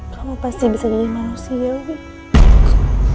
kamu pasti bisa jadi manusia wik